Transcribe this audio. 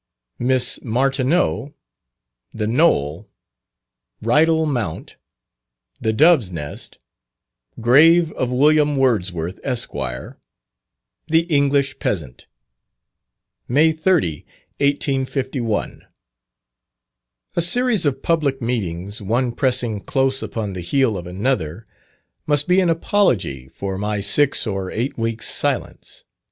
Miss Martineau "The Knoll" "Ridal Mount" "The Dove's Nest" Grave of William Wordsworth, Esq. The English Peasant. May 30, 1851. A series of public meetings, one pressing close upon the heel of another, must be an apology for my six or eight weeks' silence.